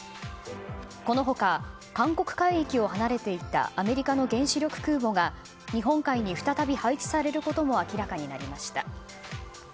この他、韓国海域を離れていたアメリカの原子力空母が日本海に再び配置されることも明らかになりました。